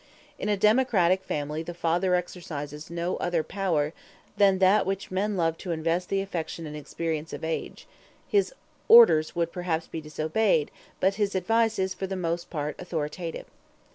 In a democratic family the father exercises no other power than that with which men love to invest the affection and the experience of age; his orders would perhaps be disobeyed, but his advice is for the most part authoritative.